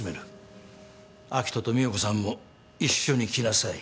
明人と美保子さんも一緒に来なさい。